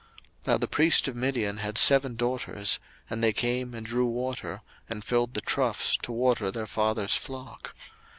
02:002:016 Now the priest of Midian had seven daughters: and they came and drew water, and filled the troughs to water their father's flock.